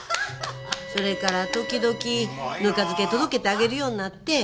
それから時々ぬか漬け届けてあげるようになって。